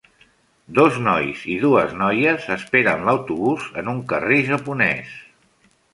Dos nois i dues noies esperen l'autobús en un carrer japonès